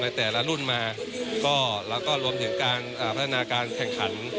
แต่ละรุ่นมาก็แล้วก็รวมถึงการพัฒนาการแข่งขัน